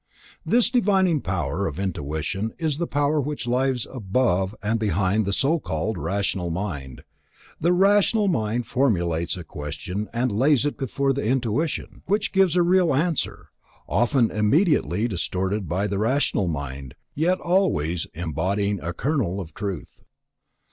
This divining power of intuition is the power which lies above and behind the so called rational mind; the rational mind formulates a question and lays it before the intuition, which gives a real answer, often immediately distorted by the rational mind, yet always embodying a kernel of truth.